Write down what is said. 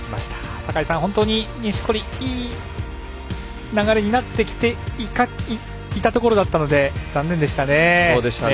坂井さん、本当に錦織いい流れになってきていたところだったので残念でしたね。